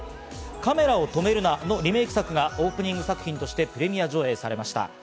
『カメラを止めるな！』のリメイク作がオープニング作品としてプレミア上映されました。